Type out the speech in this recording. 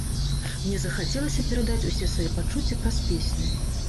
Мне захацелася перадаць усе свае пачуцці праз песню.